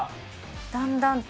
だんだんと。